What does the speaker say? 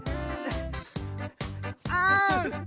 あん！